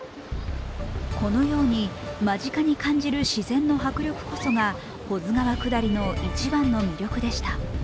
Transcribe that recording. このように間近に感じる自然の迫力こそが保津川下りの１番の魅力でした。